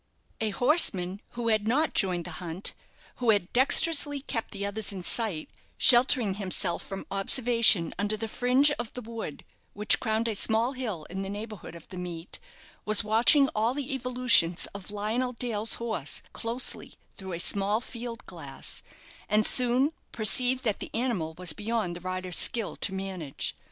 A horseman who had not joined the hunt, who had dexterously kept the others in sight, sheltering himself from observation under the fringe of the wood which crowned a small hill in the neighbourhood of the meet, was watching all the evolutions of Lionel Dale's horse closely through a small field glass, and soon, perceived that the animal was beyond the rider's skill to manage.